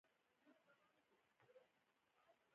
د نوې اصطلاح په توګه نوی هویت مومي.